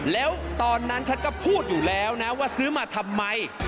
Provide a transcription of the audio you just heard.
แล้วตอนนั้นฉันก็พูดอยู่แล้วนะว่าซื้อมาทำไม